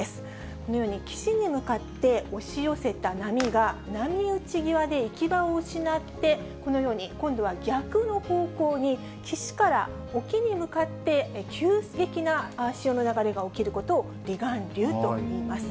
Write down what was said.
このように岸に向かって押し寄せた波が、波打ち際で行き場を失って、このように、今度は逆の方向に岸から沖に向かって急激な潮の流れが起きることを離岸流といいます。